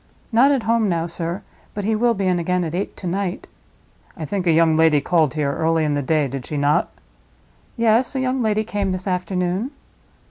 "Not at home now, sir; but he will be in again at eight to night." "I think a young lady called here early in the day, did she not?" "Yes; a young lady came this afternoon."